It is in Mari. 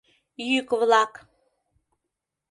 Йӱк-влак.